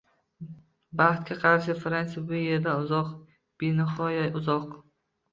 Baxtga qarshi, Fransiya bu yerdan uzoq, benihoya uzoq.